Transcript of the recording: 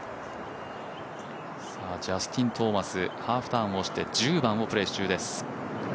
ジャスティン・トーマスハーフターンをして１０番をプレー中です。